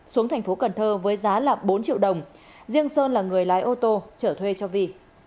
xuống tp cn với giá là bốn triệu đồng riêng sơn là người lái ô tô trở thuê cho vi